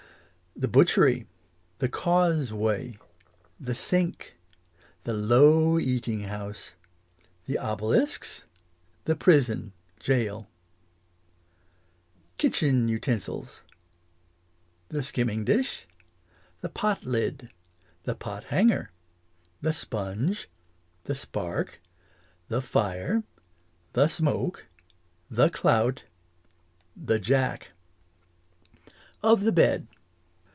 The butchery The cause way The sink The low eating house The obelis ks The prison, geol Kitchen utensils. The skimming dish The potlid The pothanger The spunge The spark The fire The smoke The clout The jack. English as she is spoke. Of the bed.